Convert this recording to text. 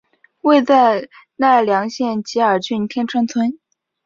位在奈良县吉野郡天川村。